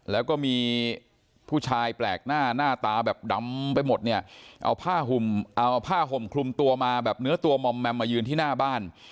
แล้วก็มีผู้ชายแปลกหน้าหน้าตาแบบดำไปหมดเนี่ยเอาผ้าห่มเอาผ้าห่มคลุมตัวมาแบบเนื้อตัวมอมแมมมายืนที่หน้าบ้าน